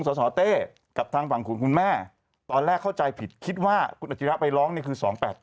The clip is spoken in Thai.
สสเต้กับทางฝั่งของคุณแม่ตอนแรกเข้าใจผิดคิดว่าคุณอาชิระไปร้องนี่คือ๒๘๘